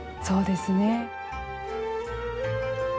そうですね。